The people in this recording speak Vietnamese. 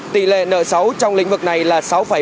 tỷ lệ nợ xấu trong lĩnh vực này là sáu bốn mươi tám